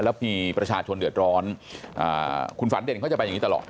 แล้วมีประชาชนเดือดร้อนคุณฝันเด่นเขาจะไปอย่างนี้ตลอด